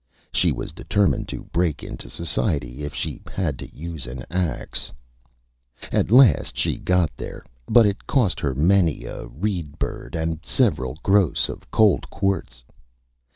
She was determined to break into Society if she had to use an Ax. At last she Got There; but it cost her many a Reed Bird and several Gross of Cold Quarts.